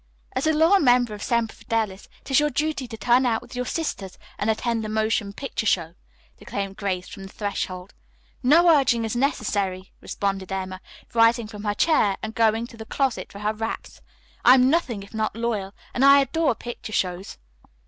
"As a loyal member of Semper Fidelis it is your duty to turn out with your sisters and attend a motion picture show," declaimed Grace from the threshold. "No urging is necessary," responded Emma, rising from her chair and going to the closet for her wraps. "I am nothing if not loyal, and I adore picture shows."